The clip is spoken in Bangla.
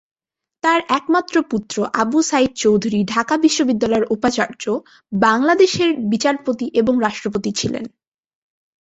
তার একমাত্র পুত্র আবু সাঈদ চৌধুরী ঢাকা বিশ্ববিদ্যালয়ের উপাচার্য, বাংলাদেশের বিচারপতি এবং রাষ্ট্রপতি ছিলেন।